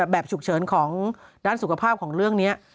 แบบฉุกเฉินของด้านสุขภาพของเรื่องนี้